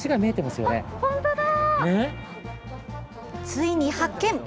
ついに発見！